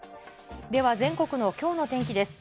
では、全国のきょうの天気です。